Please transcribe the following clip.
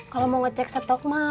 kalau mau ngecek stok mah